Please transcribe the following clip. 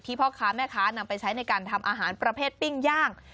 พ่อค้าแม่ค้านำไปใช้ในการทำอาหารประเภทปิ้งย่าง